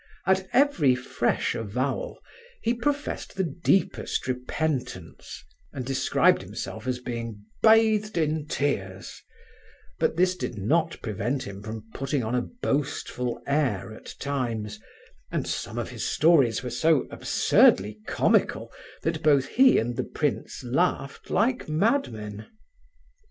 At every fresh avowal he professed the deepest repentance, and described himself as being "bathed in tears"; but this did not prevent him from putting on a boastful air at times, and some of his stories were so absurdly comical that both he and the prince laughed like madmen.